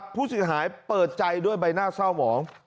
ผู้เสียหายเปิดใจด้วยใบหน้าเศร้าหมอง